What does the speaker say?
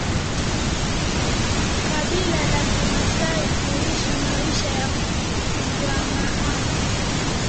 Kabila la Kimasai huishi maisha ya kuhamahama